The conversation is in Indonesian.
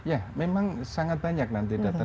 ya memang sangat banyak nanti data